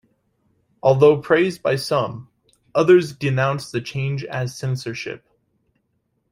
Although praised by some, others denounced the change as censorship.